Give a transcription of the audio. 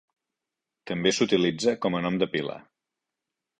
També s"utilitza com a nom de pila.